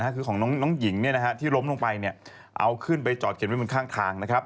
คือของน้องหญิงที่ล้มลงไปเอาขึ้นไปจอดเก็บไว้ทาง